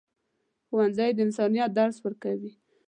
ښوونځی د انسانیت درس ورکوي.